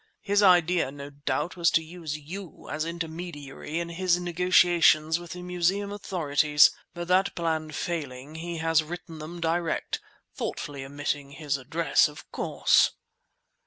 His idea no doubt was to use you as intermediary in his negotiations with the Museum authorities, but that plan failing, he has written them direct, thoughtfully omitting his address, of course!"